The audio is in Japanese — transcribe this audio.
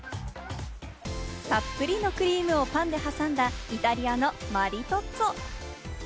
たっぷりのクリームをパンで挟んだ、イタリアのマリトッツォ。